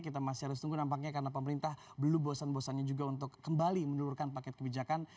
kita masih harus tunggu nampaknya karena pemerintah belum bosan bosannya juga untuk kembali menelurkan paket kebijakan